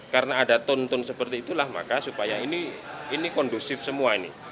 karena ada tonton seperti itulah maka supaya ini kondusif semua ini